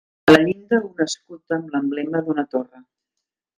A la llinda un escut amb l'emblema d'una torre.